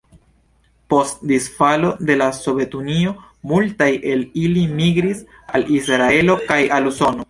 Post disfalo de la Sovetunio, multaj el ili migris al Israelo kaj al Usono.